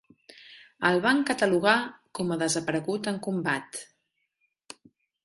El van catalogar com a desaparegut en combat.